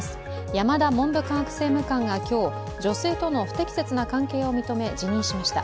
山田文部科学政務官が今日、女性との不適切な関係を認め、辞任しました。